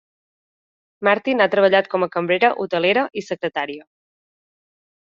Martin ha treballat com a cambrera, hotelera i secretària.